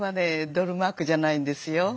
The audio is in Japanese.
ドルマークじゃないんですよ。